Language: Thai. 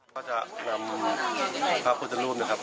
ก็จะนำพระพุทธรูปนะครับ